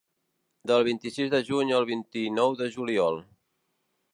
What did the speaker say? Del vint-i-sis de juny al vint-i-nou de juliol.